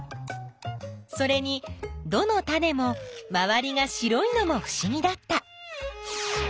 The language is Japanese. それにどのタネもまわりが白いのもふしぎだった。